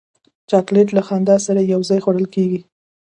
چاکلېټ له خندا سره یو ځای خوړل کېږي.